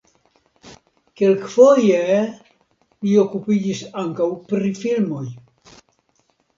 Kelkfoje li okupiĝis ankaŭ pri filmoj.